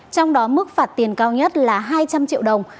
trong đó mức phạt tiền cao nhất là hai trăm linh triệu đồng